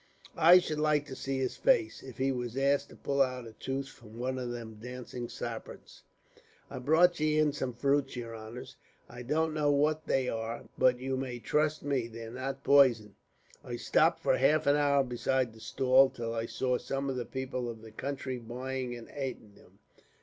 I should like to see his face, if he was asked to pull out a tooth from one of them dancing sarpents. "I brought ye in some fruits, yer honors. I don't know what they are, but you may trust me, they're not poison. I stopped for half an hour beside the stall, till I saw some of the people of the country buying and ating them.